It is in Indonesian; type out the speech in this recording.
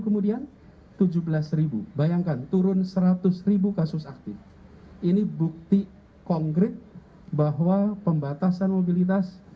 kemudian tujuh belas bayangkan turun seratus ribu kasus aktif ini bukti konkret bahwa pembatasan mobilitas